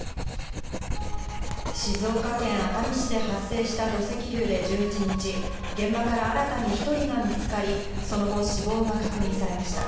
静岡県熱海市で発生した土石流で１１日現場から新たに１人が見つかりその後、死亡が確認されました。